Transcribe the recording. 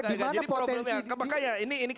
di mana potensi